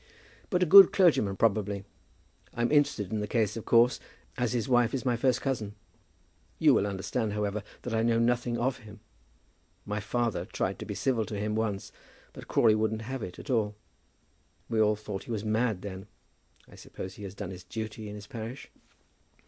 "But a good clergyman, probably? I'm interested in the case, of course, as his wife is my first cousin. You will understand, however, that I know nothing of him. My father tried to be civil to him once, but Crawley wouldn't have it at all. We all thought he was mad then. I suppose he has done his duty in his parish?"